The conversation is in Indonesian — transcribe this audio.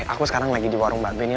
aku sekarang lagi di warung bapak ini